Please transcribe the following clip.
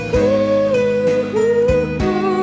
ฮู้ฮู้ฮู้